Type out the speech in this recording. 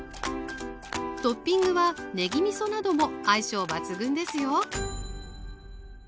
トッピングはねぎみそなども相性抜群ですよ